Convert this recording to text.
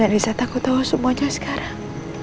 yang di saat aku tau semuanya sekarang